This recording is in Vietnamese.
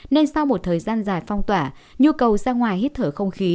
nên sau một thời gian dài phong tỏa nhu cầu sang ngoài hít thở không khí